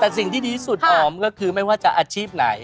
แต่สิ่งที่ดีที่สุดออมก็คือไม่ว่าจะอาชีพไหน